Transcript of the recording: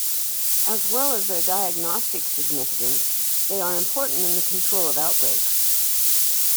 As well as their diagnostic significance they are important in the control of outbreaks.